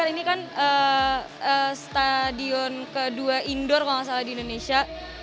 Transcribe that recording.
ini kan stadion kedua indoor kalau nggak salah di indonesia